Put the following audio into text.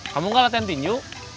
kamu nggak latihan tinju